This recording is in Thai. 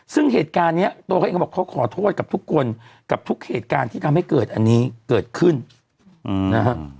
ซึ่งเหตุการณ์นี้ตัวเขาเองก็บอกเขาขอโทษกับทุกคนกับทุกเหตุการณ์ที่ทำให้เกิดอันนี้เกิดขึ้นนะฮะ